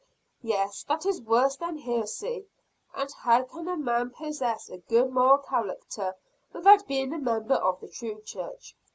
"Yes, that is worse than heresy! And how can a man possess a good moral character, without being a member of the true church?"